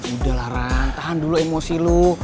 udah lah ran tahan dulu emosi lu